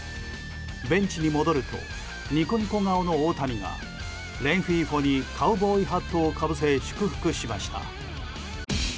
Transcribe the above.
ベンチに戻るとニコニコ顔の大谷がレンヒーフォにカウボーイハットをかぶせ祝福しました。